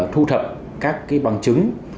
thu thập các bằng chứng